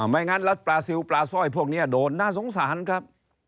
ไม่งั้นรัฐปลาซิลปลาสร้อยพวกนี้โดนน่าสงสารครับ